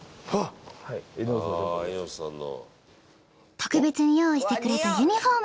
特別に用意してくれたユニホーム。